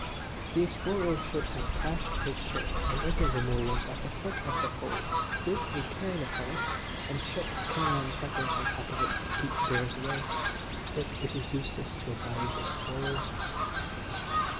"The explorer should have cached his shirt and other memorials at the foot of the Pole, built a cairn upon it, and shook cayenne pepper on top of all to keep bears away but it is useless to advise explorers."